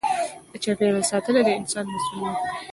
چاپېریال ساتنه د انسان مسؤلیت دی.